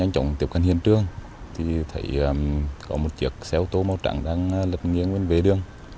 có một chiếc xe ô tô màu trắng đang lật nghiêng bên bề đường